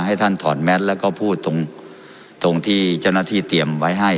ให้ท่านถอดแมทแล้วก็พูดตรงตรงที่เจ้าหน้าที่เตรียมไว้ให้